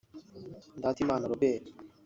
Ndatimana Robert